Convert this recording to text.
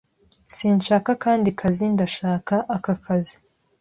Sinshaka akandi kazi. Ndashaka aka kazi.